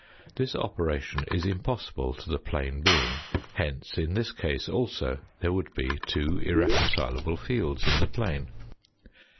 This operation is impossible to the plane being, hence in this case also there would be two irreconcilable fields in the plane.